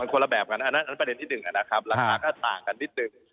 คนละแบบกันอันนั้นประเด็นที่๑นะครับราคาก็ต่างกันนิดหนึ่ง